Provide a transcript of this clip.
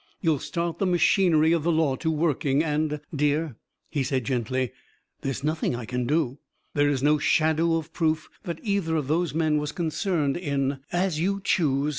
You'll start the machinery of the law to working; and " "Dear," he said gently, "there's nothing I can do. There is no shadow of proof that either of those men was concerned in " "As you choose!"